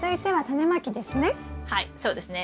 はいそうですね。